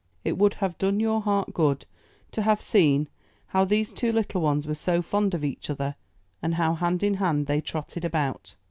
It would have done your heart good to have seen how these two little ones were so fond of each other, and how hand in hand they trotted about.